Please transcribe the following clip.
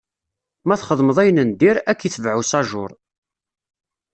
Ma txedmeḍ ayen n dir, Ad k-itbaɛ usajuṛ.